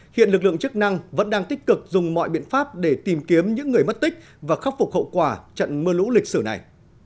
hiện lực lượng chức năng vẫn đang tích cực dùng mọi biện pháp để tìm kiếm những người mất tích và khắc phục hậu quả trận mưa lũ lịch sử này